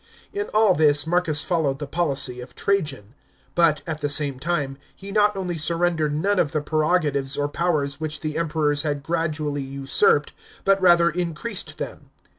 In all this Marcus followed the policy of Trajan. But, at the same time, he not only surrendered none of the prerogatives or powers which the Emperors had gradually usurped, but rather increased tuem.